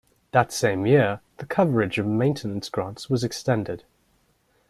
That same year, the coverage of maintenance grants was extended.